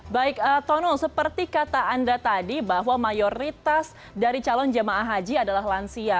baik tono seperti kata anda tadi bahwa mayoritas dari calon jemaah haji adalah lansia